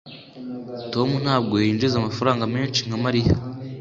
Tom ntabwo yinjiza amafaranga menshi nka Mariya